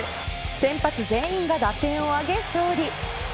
先発全員が打点を挙げ勝利。